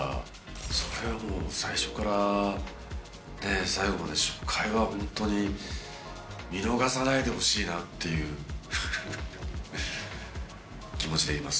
それはもう最初から最後まで初回はホントに見逃さないでほしいなっていう気持ちでいます。